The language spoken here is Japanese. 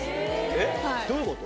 えっ？どういうこと？